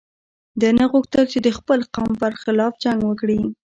ده نه غوښتل چې د خپل قوم پر خلاف جنګ وکړي.